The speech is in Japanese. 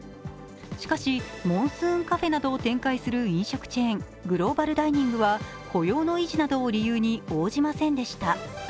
しかしモンスーンカフェなどを展開する飲食チェーングローバルダイニングは雇用の維持などを理由に応じませんでした。